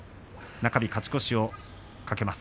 中日、勝ち越しを懸けます。